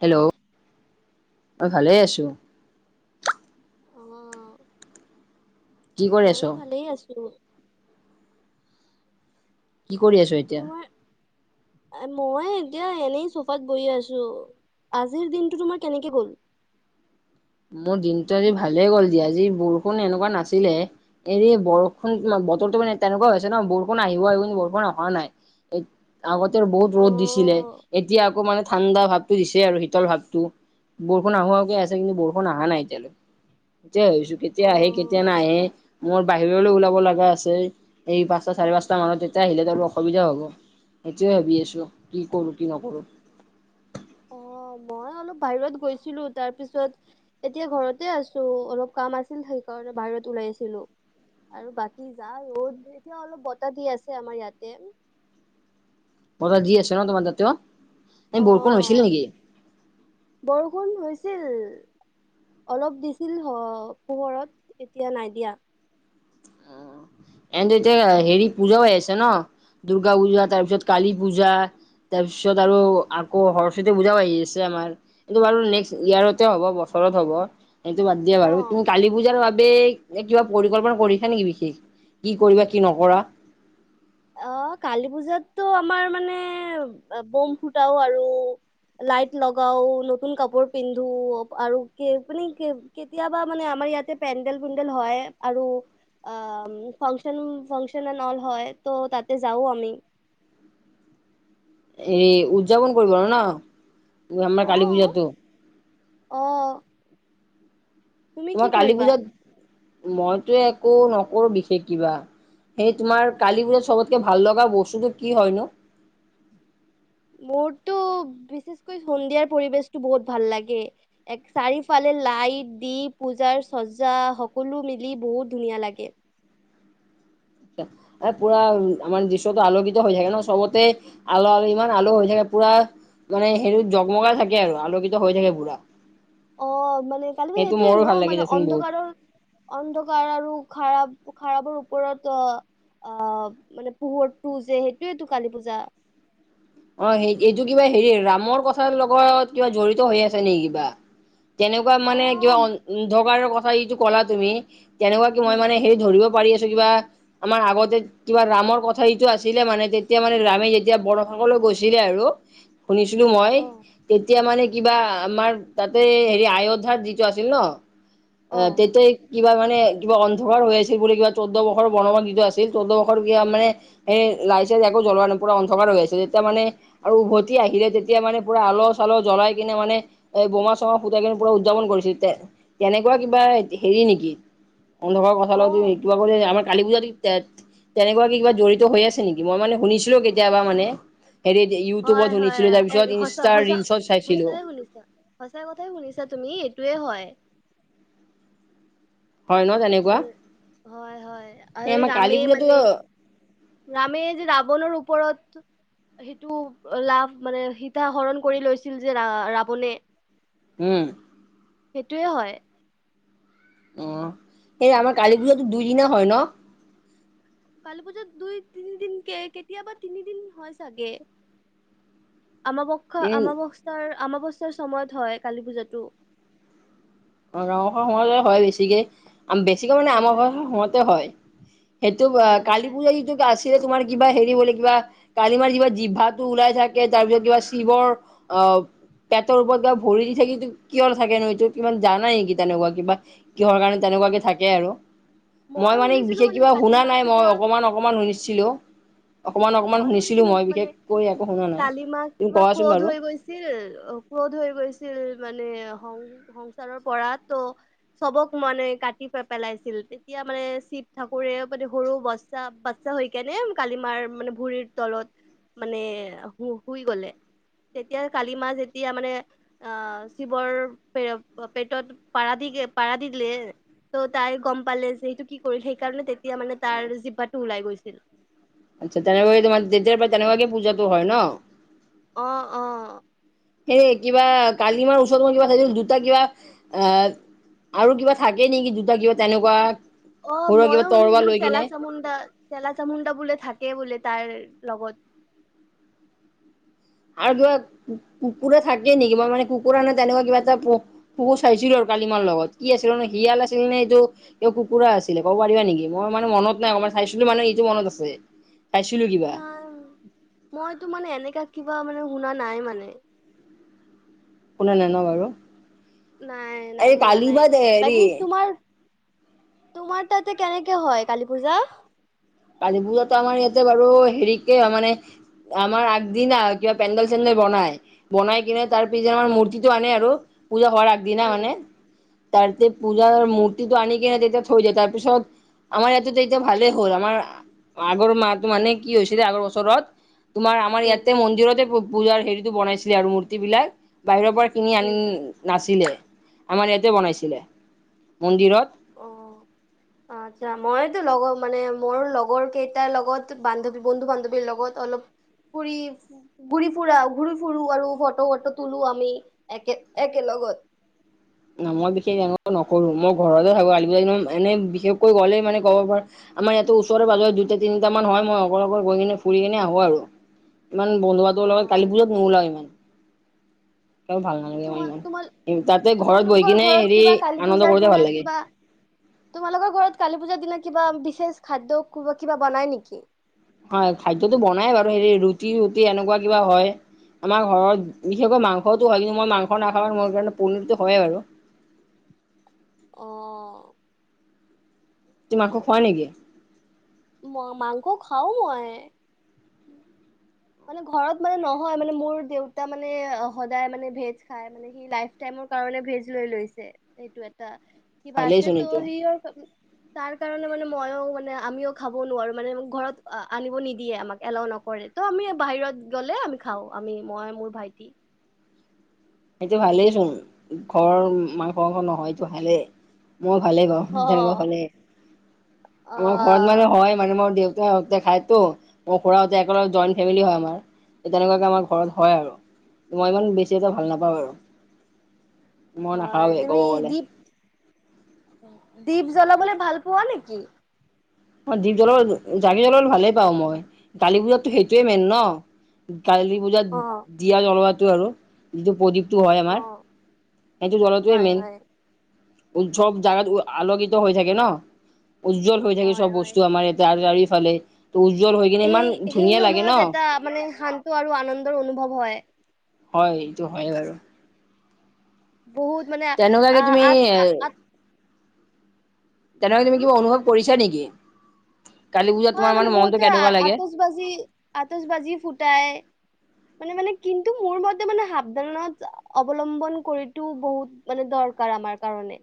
Hello মই ভালে আছো। অ কি কৰি আছ ময়ো ভালেই আছো। কি কৰি আছ এ তোমাৰ, মই এতিয়া এনেই চোফাত বহি আছো। আজিৰ দিনটো তোমাৰ কেনেকে গ'ল? মোৰ দিনটো আজি ভালেই গ'ল দিয়া, আজি বৰষুণ এনেকুৱা নাছিলে। এৰি বৰষুণ বতৰটো মানে তেনেকুৱা হৈছে ন, বৰষুণ আহিব আহিব কিন্তু বৰষুণ অহা নাই। এ আগতে বহুত অ ৰ'দ দিছিলে। এতিয়া আকৌ মানে ঠাণ্ডা ভাৱতো দিছে আৰু শীতল ভাৱতো, বৰষুণ আহোঁ আহোঁকে আছে কিন্তু বৰষুণ বৰষুণ আহা নাই এতিয়ালৈ, সেইটো ভাবিছোঁ কেতিয়া অ আহে কে এতিয়া নাহে, মোৰ বাহিৰলৈ ওলাব লাগা আছে। এই পাঁচটা চাৰে পাঁচটা মানত তেতিয়া আহিলে ত আৰু অসুবিধা হ'ব। সেইটোৱে ভাবি আছোঁ কি কৰোঁ কি নকৰোঁ। অঁ, মই অলপ বাহিৰত গৈছিলো তাৰপিছত এতিয়া ঘৰতে আছো, অলপ কাম আছিল সেইকাৰণে বাহিৰত ওলাই আছিলো। আৰু বাকী যা ৰ'দ দিছে অলপ বতাহ দি আছে আমাৰ ইয়াতে। বতাহ দি আছে ন তোমাৰ তাতেও, অ এই বৰষুণ হৈছিল নেকি? বৰষুণ হৈছিল। অলপ দিছিল পোহৰত এতিয়া নাই দিয়া। এন এতিয়া হেৰি পূজাও আহি আছে ন, দুৰ্গা পূজা তাৰ পিছত কালী পূজা। তাৰপিছত আৰু আকৌ সৰস্বতী পূজাও আহি আছে আমাৰ। কিন্তু বাৰু নেক্সচ ইয়াৰতে হ'ব বছৰত হ'ব। এইটো বাদ দিয়া বাৰু, অ তুমি কালী পূজাৰ বাবে এনে কিবা পৰিকল্পনা কৰিছা নেকি বিশেষ। কি কৰিবা কি নকৰা। অ কালী পূজাতটো আমাৰ মানে বম ফুটাও আৰু। লাইট লগাও, নতুন কাপোৰ পিন্ধো আৰু কি মানে কি কেতিয়াবা মানে আমাৰ ইয়াতে পেণ্ডেল পুণ্ডল হয় আৰু। অঁহ ফাংচন ফাংচন এন অল হয় তো তাতে যাও আমি। এই উদযাপন কৰিব আৰু ন, আমাৰ কালী পূজাটো। অঁহ তোমাৰ কালি কৰিবা পূজাত মইতো একো নকৰো বিশেষ কিবা। সেই তোমাৰ কালী পূজাত চবতকে ভাল লগা বস্তুটো কি হয় নো? মোৰতো বিশেষকৈ সন্ধিয়াৰ পৰিবেশটো বহুত ভাল লাগে। এক চাৰিওফালে লাইট দি পূজাৰ চজা সকলো মিলি বহুত ধুনীয়া লাগে। এ‌ পুৰা আমাৰ দৃশ্যটো আলোকিত হৈ থাকে ন, চবতে আলো আলো ইমান আলো হৈ থাকে পুৰা। মানে সেইটোত জগমগাই থাকে আৰু আলোকিত হৈ থাকে পুৰা। অ মানে কালিটো সেইটো সেইটোৱে মোৰো ভাল ন লাগে মানে দেচোন বহুত অন্ধকাৰৰ অন্ধকাৰ আৰু খাৰাব খাৰাবৰ ওপৰত আঁহ আঁহ মানে পোহৰটো যে সেইটোয়েটো কালী পূজা। অ সেই এইটো কিবা হেৰি ৰামৰ কথাৰ লগত কিবা জড়িত হৈ আছে নেকি কিবা তেনেকুৱা অ মানে কিবা অন্ধকাৰৰ কথা যিটো কলা তুমি তেনেকুৱা কি মই উম মানে সেই ধৰিব পাৰি আছো কিবা আমাৰ আগতে কিবা ৰামৰ কথা সটো আছিলে মানে তেতিয়া মানে ৰামে যেতিয়া বৰফ লৈ গৈছিলে আৰু শুনিছিলো মই অ তেতিয়া মানে কিবা আমাৰ তাতে হেৰি আয়োধাৰ যিটো আছিল ন অ তেতে কিবা মানে কিবা অন্ধকাৰ হৈ আছিল বুলি কিবা চৌধ্য বৰৰ বনমান যিটো আছিল চৈধ্য বৰ কিবা মানে এ লাইছে আকৌ জলোৱানপুৰা অন্ধকাৰ হৈ আছে যেতিয়া মানে আৰু উভতি আহিলে তেতিয়া মানে পুৰা আলহ চালহ জ্বলাই কিনে মানে এই বোমা চমা সূতা কিনিৰ পৰা উদযাপন কৰিছিল তে তেনেকুৱা কিবা হেৰি নেকি অন্ধকাৰ কথা অ ল কিবা ক আমাৰ কালি পূজাত তেনেকুৱা কি কিবা জড়িত হৈ আছে নেকি মই মানে শুনিছিলোঁ অ কেতিয়াবা মানে হেৰি হয় ইউটিউবত হয় শুনিছিলোঁ তাৰপিছত ইনষ্টাৰ ৰিলচত চাইছিলোঁ শছা [inaudible] সঁচাই কথাই শুনিছা তুমি এইটোয়ে হয় হয় নহয় জান হয় হয় আৰু কালী ৰামে পূজাতো মানে ৰামে যে ৰাৱণৰ ওপৰত সেইটো লাভ মানে সীতা হৰণ কৰি লৈছিল যে ৰা ৰাৱণে উম সেইটোয়ে হয় অ সেই আমাৰ কালী পূজাতো দুইদিনা হয় ন কালি বজাত দুই তিনিদিন কে কেতিয়াবা তিনিদিন হয় চাগে আমক্ষ এদিন আমসস্থাৰ অমাৱস্যা সময়ত হয় কালী পূজাতো গাঁৱৰ ঘৰ সময়তে হয় বেছিকে বেছিকৈ মানে আমাৰ ঘৰ হয় সময়তে হয় সেইটো হয় কালী হয় পূজা যিটো আছিলে তোমাৰ কিবা হেৰি বোলে কিবা কালিমাৰ কিবা জিভাটো ওলাই থাকে তাৰপিছত কিবা শিৱৰ অ পেটৰ ওপৰত বা ভৰি দি থাকে কিয় নাথাকেনো এইটো কিমান জান নেকি তেনেকুৱা কিবা কিহৰ কাৰণে তেনেকুৱাকে থাকে আৰু মই মানে শুনিছিলো বিশেষ কিবা কালি শুনা মা নাই কিবা মই অকমান অকমান শুনিছিলো অকমান অকমান মই শুনিছিলো মই মানে বিশেষকৈ একো শুনা নাই তলিমাই তুমি কিবা কোৱাচোন ক্ৰধ বাৰু হৈ গৈছিল ছিল ক্ৰোধ হৈ গৈছিল মানে সং সংসাৰৰ পৰা ত চবক মানে কাটি পেলাইছিল তেতিয়া মানে শিৱ ঠাকুৰে মানে সৰু বা চা হৈ কেনে কালিমাৰ মানে ভুৰিৰ তলত মানে শুই গলে তেতিয়া কালি মাহ যেতিয়া মানে আহ শিৱৰ পে পেটত পাৰা দি পাৰা দিলে ত' তাই গম পালে যে সেইটো কি কৰিল সেই কাৰণে তেতিয়া মানে তাৰ জিভাতোওলাই গৈছিল আচ্া [unintelligible] তেনেুৱাগেোমাৰ [unintelligible] দে প তেনেকুৱাগে পূজাটো হয় ন অ অ অ সে কিবা কালিমাৰ ওচৰত মই কিবা থাক দুটা কিবা আহ আৰু কিবা থাকে নেকি দুতা কিবা তেনেকুৱা অ সৰু কিবা ময়ো শুনিছো তৰৱা মানে লৈ চেলা কিনে চামুণ্ডা চেলা চামুণ্ডা বোলে থাকে বোলে তাই লগত আৰু কিবা কুকুৰা থাকে নেকি বা মানে কুকুৰা ন তেনেকুৱা কিবা এটা তোকো চাইছিলো আৰু কালিমাৰ লগত কি আছিল ন শিয়াল আছিল নে এইটো কিয় কুকুৰা আছিলে কব পাৰা নেকি? মই মানে মনত নাই [unintelligible] চাইছিলো মানে সেইটো মনত আছে। চাইছিলোঁ কিবা নাই, মইতো মানে এনেকা কিবা মানে শুনা নাই মানে। শুনা নাই ন বাৰু? নাই নাই এই শুনা নাই, কালিমাত বাকী হেৰি তোমাৰ তোমাৰ তাতে কেনেকে হয় কালী পূজা? কালী পূজাটো আমাৰ ইয়াতে বাৰু হেৰিকে মানে আমাৰ আগদিনা আৰু কিবা পেণ্ডেল - চেণ্ডেল বনাই। বনাই কিনে তাৰ পিছদিনা আমাৰ মূৰ্তিটো আনে আৰু পূজা হোৱাৰ আগদিনা উম মানে। তাৰতে পূজাৰ মূৰ্তিটো আনি কিনে যেতিয়া থৈ দিয়ে তাৰপিছত আমাৰ ইয়াতেতো এতিয়া ভালে হ'ল, আমাৰ আ আগৰ মাহটো মানে কি হৈছিলে আগৰ বছৰত, তোমাৰ আমাৰ উম ইয়াতে মন্দিৰতে পু পূজাৰ হেৰিতো বনাইছিলে আৰু মূৰ্তিবিলাক, বাহিৰৰ পৰা কিনি আন উম নাছিলে, আমাৰ ইয়াতে বনাইছিলে, মন্দিৰত। অঁ'। অ' আচ্ছা, মইতো লগৰ মানে মোৰ লগৰ কেইটাৰ লগত বান্ধৱী বন্ধু বান্ধৱীৰ লগত অলপ পুৰি আছে। ঘূৰি ফুৰা, ঘূৰি ফুুৰো আৰু ফট - ফট তোলো আমি একে একেলগত। অ মই বিশেষ তেনে নকৰো, মই ঘৰতে থাকো, কালি পূজাৰ [unintelligible] এনে বিশেষকৈ গ'লেই মানে ক'ব পাৰ আমাৰ ইয়াতে ওচৰে- পাজৰে দুটা, তিনিটা মান হয় মই অকল গৈ কিনে ফুৰি কিনে আহো আৰু। ইমান বন্ধু অ বান্ধৱীৰ লগত কালি পূজাত নোলাও ইমান। [unintelligible] ভাল নালাগে মোৰ তোমাৰ ইমান, তোমাৰ ই তাতে ঘৰত বহি তোমালোকৰ কিনে ঘৰত হেৰি কিবা কালী আনন্দ পূজাৰ কৰোতে দিনা ভাল লাগে। কিবা তোমালোকৰ ঘৰত কালি পূজাৰ দিনা কিবা বিশেষ খাদ্য কোবা কিবা বনাই নেকি? হয় খাদ্যতো বনাই বাৰু, হেৰি ৰুটি - ৰুটি এনেকুৱা কিবা হয়। আমাৰ ঘৰত বিশেষকৈ মাংসটো হয় কিন্তু মই মাংস নাখাওঁ মোৰ কাৰণে পনীৰতো হয় আৰু। অঁ'। তুমি মাংস খোৱা নেকি? মই মাংস খাও মই। মানে ঘৰত মানে নহয় মানে মোৰ দেউতা মানে সদায় মানে ভেজ খাই মানে সি লাইফ টাইমৰ কাৰনে ভেজ লৈ লৈছে, সেইটো এটা, কিবা ভালেই আছে চোন ত এইটো সি অ ক তাৰ কাৰণে মানে মইও মানে আমিও খাব নোৱাৰো মানে ঘৰত আ আনিব নিদিয়ে আমাক এলাও নকৰে। ত আমি বাহিৰত গ'লে আমি খাওঁ আমি মই, মোৰ ভাইটি। সেইটো ভালেই চোন, ঘৰ মাংস - মাংস নহয় এইটো ভালেই। মই ভালেই পাওঁ অ তেনেকুৱা হলে, অ আমাৰ ঘৰত মানে হয় মানে মোৰ দেউতাহতে খাইটো, মোৰ খুৰাহতে এক জইণ্ট ফেমিলি হয় আমাৰ। ত তেনেকুৱাকে আমাৰ ঘৰত হয় আৰু, মই ইমান বেছি এটা ভাল নাপাওঁ আৰু। মই হয় নাখাওঁৱে তুমি ক'ব গ'লে। দীপ, দীপ জ্বলাবলে ভাল পোৱা নেকি? অ' দীপ জলালেটো, জাকি জলৰ ভালেই পাওঁ মই, কালি পূজাতো সেইটোয়ে মেইন ন। কালী পূজাত অ দিয়া জলোৱাটো আৰু। যিটো প্ৰদীপটো হয় অ আমাৰ, সেইটো জ্বলোৱাটোৱে হয় মেইন। হয় উম ছব জাগাত উ আলোকিত হৈ থাকে ন, উজ্জ্বল হৈ থাকে হয় চব হয় বস্তু আমাৰ ইয়াতে আলি আলিফালে, ত উজ্জ্বল হৈ কিনে ইমান সেই সেই ধুনীয়া লাগে ন? সময়ত এটা মানে শান্ত আৰু আনন্দৰ অনুভৱ হয়। হয় এইটো হয়ে বাৰু। বহুত মানে আ তেনেকুৱাকে আ তুমি আত এ আ আত তেনেকুৱা তুমি উম কিবা অনুভৱ কৰিছা নেকি? কালি পুজাত তোমাৰ মানে মনটো কেনেকুৱা লাগে? তবাজি-আতচবাজি ফুটায়। মানে, মানে কিন্তু মোৰ মতে মানে সাৱধানত অৱলম্বন কৰিতো বহুত মানে দৰকাৰ আমাৰ কাৰণে।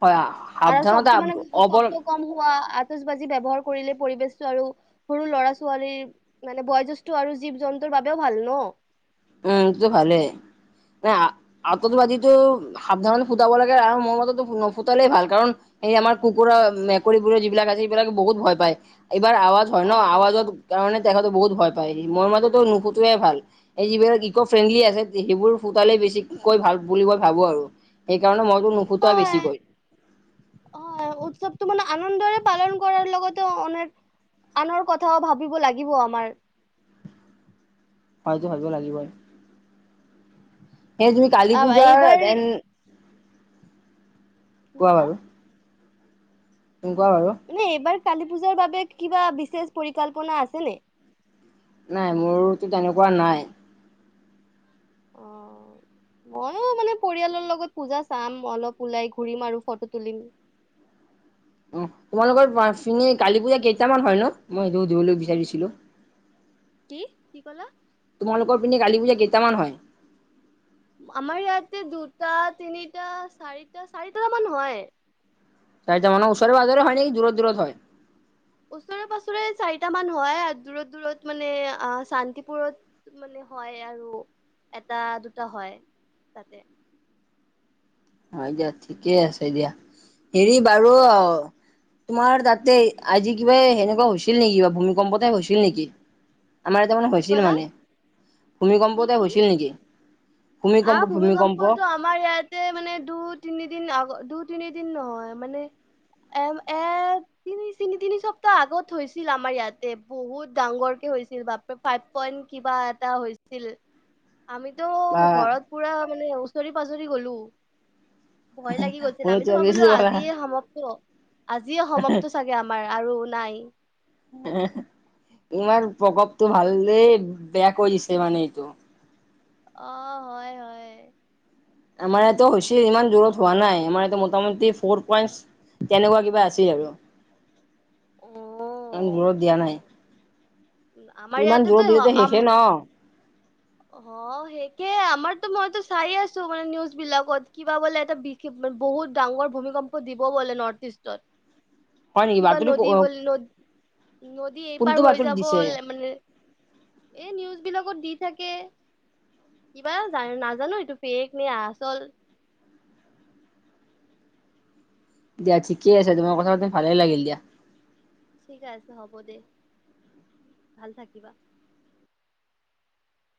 হয়। আৰু সাৱধানতা শব্দ মানে অৱল শব্দ কম হোৱা আ তচবাজি ব্যৱহাৰ কৰিলে পৰিবেশটো আৰু সৰু ল'ৰা ছোৱালীৰ মানে বয়োজ্যেষ্ঠ আৰু জীৱ জন্তুৰ বাবেও ভাল ন'। উম, এইটো টো ভালেই। নাই আতচবাজিটো সাৱধানেৰে ফুটাব লাগে আৰু মোৰ মতেতো নুফুটালেই ভাল, কাৰণ এই আমাৰ কুকুৰ মেকুৰীবোৰৰ যিবিলাক আছে সেইবিলাকে বহুত ভয় পায়, এইবাৰ আৱাজ হয় ন, অ আৱাজৰ কাৰণে তেখেতে বহুত ভয় পায়। মোৰ মতেতো নুফুটোৱাই ভাল। এই যিবিলাক ইক' ফ্ৰেণ্ডলি আছে, সেইবোৰ ফুটালেই বেছিকৈ ভাল বুলি মই ভাবোঁ আৰু। সেইকাৰণে মইতো নুফুটাৱেই হয় বেছিকৈ। হয়, উৎসৱটো মান আনন্দৰে পালন কৰাৰ লগতে [unintelligible] আনৰ কথাও ভাবিব লাগিব আমাৰ। হয়টো ভাবিব লাগিবই। সেই তুমি কালী আ, পূজাৰ এইবাৰ দেন কি কোৱা ক'লা? বাৰু [unintelligible] বাৰু? মানে এইবাৰ কালী পূজাৰ বাবে কিবা বিচেষ পৰিকল্পনা আছে নে? নাই, মোৰতো তেনেকুৱা নাই। অ'। মই মানে পৰিয়ালৰ লগত পূজা চাম, অলপ ওলাই ঘূৰিম আৰু ফটো তুলিম। অ', তোমালোকৰ পিনে কালি পূজা কেইটামান হয়, নো মই সেইটো সুধিবলৈ বিচাৰিছিলোঁ? কি, কি ক'লা? তোমালোকৰ পিনে কালি পূজা কেইটামান হয়? আমাৰ ইয়াতে দুটা তিনিটা চাৰিটা, চাৰিটা মান হয়। চাৰিটা মানো ওচৰে পাজৰে হয়, নেকি দূৰত, দূৰত হয়। ওচৰে পাঁজৰে চাৰিটা মান হয়, আৰু দূৰত, দূৰত মানে আ শান্তিপুৰত মানে হয়, আৰু এটা দুটা হয়, তাতে। অ', দিয়া ঠিকে আছে দিয়া। হেৰি বাৰু তোমাৰ তাতে আজি কিবা সেনেকুৱা হৈছিল নেকি, বা ভূমিকম্প টাইপ হৈছিল নেকি? আমাৰ ইয়াত মানে কি হৈছিল ক'লা? মানে। কি ভূমিকম্পতে কি? হৈছিল নেকি, ভূমিকম্প, আহ ভূমিকম্প? ভূমিকম্পটো আমাৰ ইয়াতে মানে দু তিনিদিন আগত দু তিনিদিন নহয়, মানে এম এ তিনি- তিনি সপ্তাহ আগত হৈছিল আমাৰ ইয়াতে, বহুত ডাঙৰকে হৈছিল বাপ ফাইভ পইণ্ট কিবা এটা হৈছিল, আমিতো বা ঘৰত পুৰা মানে ওচৰে পাজৰে গ'লো। ভয় লাগি গৈছিল আমিতো ভাবিলোঁ আজিয়ে সমাপ্ত, আজিয়ে সমাপ্ত চা গে আমাৰ আৰু নাই। [unintelligible] ইমান প্ৰকপটো ভালে দেই, বেয়া কৰি দিছে মানে এইটো। অ', হয়, হয়। আমাৰ ইয়াতো হৈছিল, ইমান জোৰত হোৱা নাই। আমাৰ ইয়াতে মোটামুটি ফ'ৰ পইন্ট তেনেকুৱা কিবা আছেই আৰু। অ'। ইমান জোৰত দিয়া নাই, উম, আমাৰ ইমান ইয়াতেতো জোৰত হ- দিলেতো আম শেষে ন। অ', শেষেই আমাৰতো মইতো চাই আছো মানে নিউজ বিলাকত কিবা বোলে এটা [unintelligible] বহুত ডাঙৰ ভূমিকম্প দিব বোলে নৰ্থ ইষ্টত। হয় নেকি কিবা বাতৰি নদী [unintelligible] নদী এই কোনটো পাৰ হৈ বাতৰি যাব দিছে [unintelligible] মানে এই নিউজ বিলাকত দি থাকে, কিবা [unintelligible] নাজানো এইটো ফেক নে আচল। দিয়া ঠিকেই আছে, তোমাৰ কথা পাতি ভালেই লাগিল দিয়া। ঠিকে আছে হ'ব দে, ভাল থাকিবা।